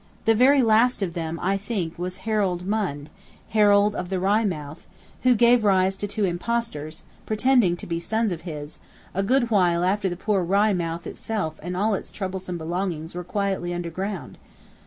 The very last of them I think was Harald Mund (Harald of the Wry Mouth), who gave rise to two Impostors, pretending to be Sons of his, a good while after the poor Wry Mouth itself and all its troublesome belongings were quietly underground.